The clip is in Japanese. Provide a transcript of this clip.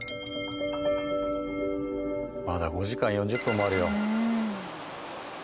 まだ５時間４０分もあるよ。